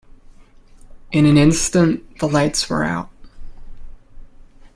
In an instant the lights were out.